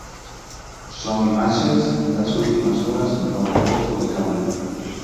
Son imaxes das últimas horas no aeroporto de Cabul.